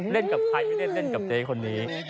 เล่นกับใครไม่เล่นกับเจ๊คนนี้